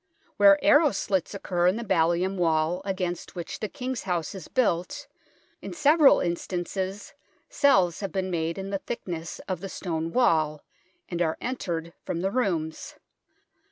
Where arrow slits occur in the ballium wall against which the King's House is built, in several instances cells have been made in the thickness of the stone wall, and are entered from the rooms.